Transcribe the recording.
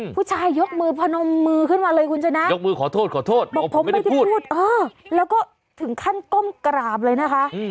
ผู้ชายยกมือพนมมือขึ้นมาเลยคุณชนะยกมือขอโทษขอโทษบอกผมไม่ได้พูดเออแล้วก็ถึงขั้นก้มกราบเลยนะคะ